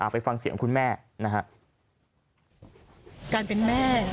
ไปฟังเสียงคุณแม่นะฮะ